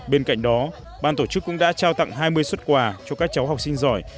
bên cạnh đó ban tổ chức cũng đã trao tặng hai mươi xuất quà cho các cháu học sinh giỏi